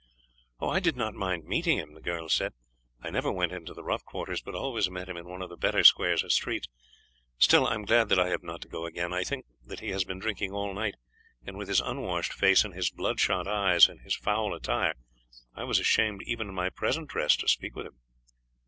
"I did not mind meeting him,", the girl said. "I never went into the rough quarters, but always met him in one of the better squares or streets. Still, I am glad that I have not to go again. I think that he had been drinking all night, and with his unwashed face and his bloodshot eyes and his foul attire I was ashamed even in my present dress to speak with him."